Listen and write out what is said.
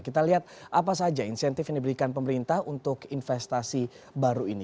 kita lihat apa saja insentif yang diberikan pemerintah untuk investasi baru ini